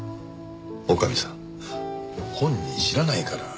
女将さん本人知らないから。